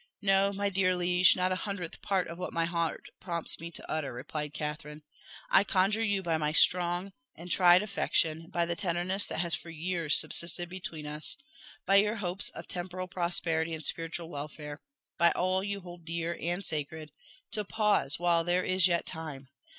"No, my dear liege, not a hundredth part of what my heart prompts me to utter," replied Catherine. "I conjure you by my strong and tried affection by the tenderness that has for years subsisted between us by your hopes of temporal prosperity and spiritual welfare by all you hold dear and sacred to pause while there is yet time.